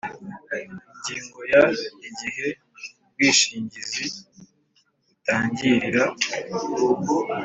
Ingingo ya Igihe ubwishingizi butangirira